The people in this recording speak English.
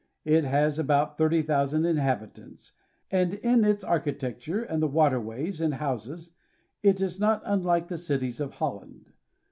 It has about thirty thousand inhabitants, and in its architecture and the waterways and houses it is not unlike the cities of Holland.